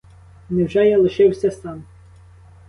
Невже я лишився сам?